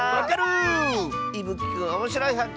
いぶきくんおもしろいはっけん